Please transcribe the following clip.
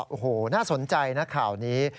โอ้โหน่าสนใจนะข่าวนี้